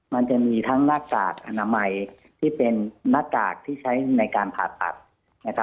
มันจะมีทั้งหน้ากากอนามัยที่เป็นหน้ากากที่ใช้ในการผ่าตัด